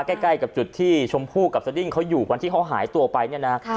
ใกล้กับจุดที่ชมพู่กับสดิ้งเขาอยู่วันที่เขาหายตัวไปเนี่ยนะ